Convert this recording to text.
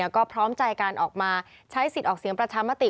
ก็พร้อมใจการออกมาใช้สิทธิ์ออกเสียงประชามติ